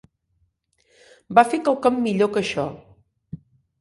Va fer quelcom millor que això.